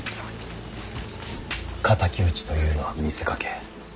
敵討ちというのは見せかけ。